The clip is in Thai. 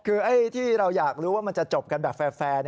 คือที่เราอยากรู้ว่ามันจะจบกันแบบแฟร์